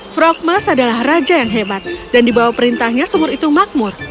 frogmas adalah raja yang hebat dan dibawa perintahnya sumur itu makmur